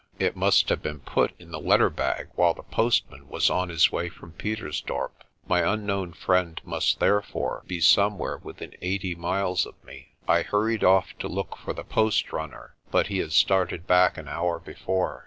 It must have been put in the letter bag while the postman was on his way from Pietersdorp. My unknown friend must therefore be some where within eighty miles of me. I hurried off to look for the post runner, but he had started back an hour before.